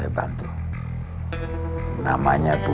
tidak ada yang tahu